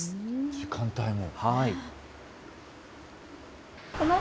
時間帯も。